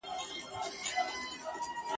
لکه خدای وي چاته نوی ژوند ورکړی ..